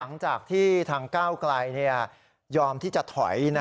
หลังจากที่ทางก้าวไกลยอมที่จะถอย